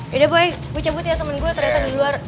yaudah pokoknya gue cepet ya temen gue ternyata di luar